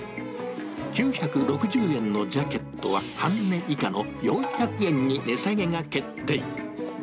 ９６０円のジャケットは半値以下の４００円に値下げが決定。